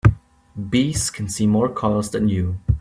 Bees can see more colors than you.